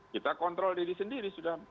kita kontrol diri sendiri sudah